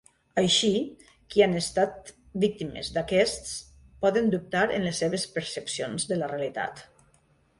Així, qui han estat víctimes d'aquests poden dubtar en les seves percepcions de la realitat.